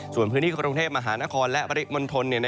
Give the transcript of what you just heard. ส่วนพื้นที่กรุงเทพมหานครและปริมณฑล